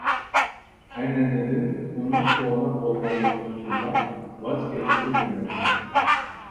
ئەنئەنىدىن ئۇنىڭ كونا بولغانلىقى ئۈچۈنلا ۋاز كەچكۈلۈك ئەمەس.